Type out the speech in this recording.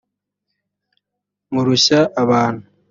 murushya abantu